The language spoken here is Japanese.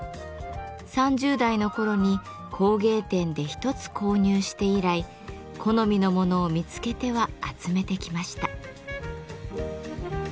３０代の頃に工芸店で１つ購入して以来好みのものを見つけては集めてきました。